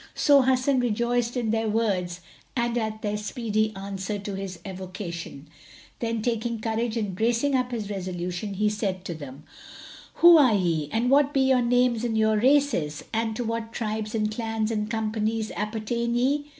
So Hasan rejoiced in their words and at their speedy answer to his evocation; then taking courage and bracing up his resolution, he said to them, "Who are ye and what be your names and your races, and to what tribes and clans and companies appertain ye?"